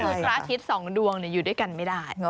คือพระอาทิตย์๒ดวงอยู่ด้วยกันไม่ได้